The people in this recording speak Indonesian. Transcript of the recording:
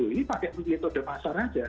ini pakai metode pasar aja